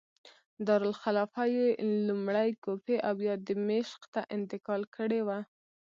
دارالخلافه یې لومړی کوفې او بیا دمشق ته انتقال کړې وه.